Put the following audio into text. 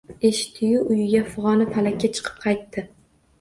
Eshitdi-yu, uyiga fig`oni falakka chiqib qaytdi